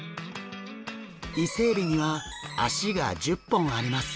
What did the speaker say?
イセエビには脚が１０本あります。